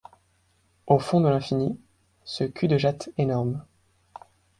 Au fond de l’infini, ce cul-de-jatte énorme.